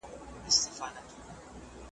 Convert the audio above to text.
ړوند افغان دی له لېوانو نه خلاصیږي ,